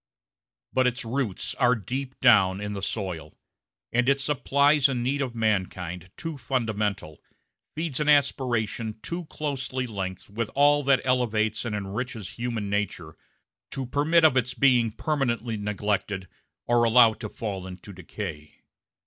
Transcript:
But its roots are deep down in the soil; and it supplies a need of mankind too fundamental, feeds an aspiration too closely linked with all that elevates and enriches human nature, to permit of its being permanently neglected or allowed to fall into decay.